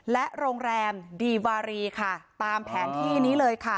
และโรงแรมดีวารีค่ะตามแผนที่นี้เลยค่ะ